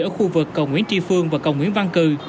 ở khu vực cầu nguyễn tri phương và cầu nguyễn văn cử